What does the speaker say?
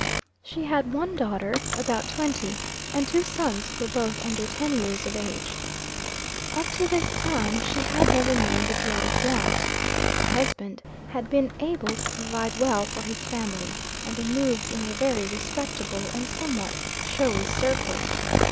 She had one daughter about twenty, and two sons who were both under ten years of age. Up to this time she had never known the dread of want. Her husband had been able to provide well for his family; and they moved in a very respectable, and somewhat showy circle.